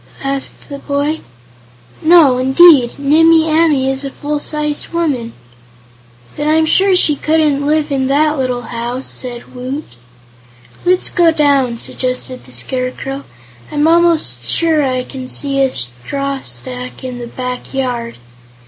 asked the boy. "No, indeed; Nimmie Amee is a full sized woman." "Then I'm sure she couldn't live in that little house," said Woot. "Let's go down," suggested the Scarecrow. "I'm almost sure I can see a straw stack in the back yard."